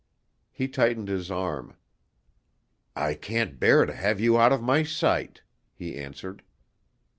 He tightened his arm. "I can't bear to have you out of my sight," he answered.